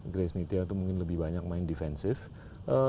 grace nitya itu mungkin lebih banyak main defensive